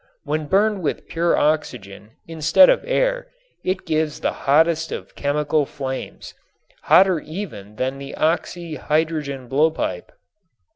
When burned with pure oxygen instead of air it gives the hottest of chemical flames, hotter even than the oxy hydrogen blowpipe.